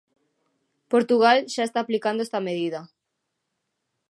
Portugal xa está aplicando esta medida.